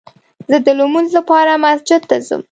زه دلمونځ لپاره مسجد ته ځم